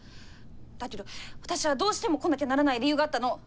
だけど私はどうしても来なきゃならない理由があったの。